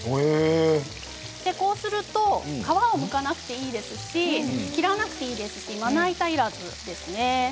こうすると皮をむかなくてもいいですし切らなくてもいいですしまな板いらずですね。